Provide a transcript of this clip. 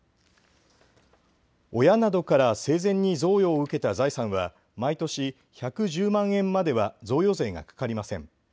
親などから生前に贈与を受けた財産は毎年１１０万円までは贈与税がかかりません。